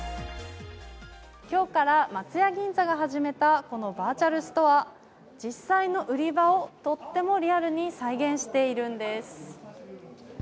今日から松屋銀座が始めた、このバーチャルストア、実際の売り場をとってもリアルに再現しているんです。